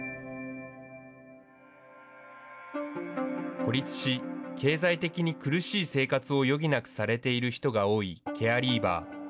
孤立し、経済的に苦しい生活を余儀なくされている人が多いケアリーバー。